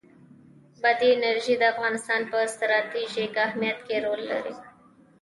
بادي انرژي د افغانستان په ستراتیژیک اهمیت کې رول لري.